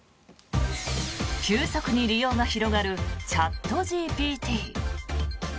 急速に利用が広がるチャットＧＰＴ。